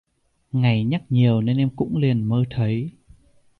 ngày nhắc nhiều nên em cũng liền mơ thấy